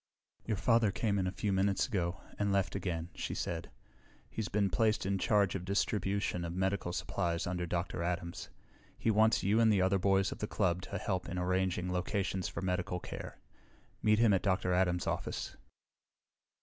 "Your father came in a few minutes ago, and left again," she said. "He's been placed in charge of distribution of medical supplies under Dr. Adams. He wants you and the other boys of the club to help in arranging locations for medical care. Meet him at Dr. Adams' office."